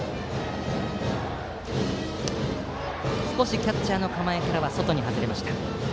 少しキャッチャーの構えからは外に外れました。